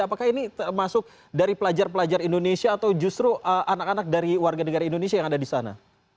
apakah ini termasuk dari pelajar pelajar indonesia atau justru anak anak dari warga negara indonesia yang ada di sana